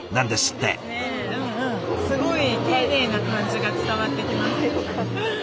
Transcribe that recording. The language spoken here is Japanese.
すごい丁寧な感じが伝わってきます。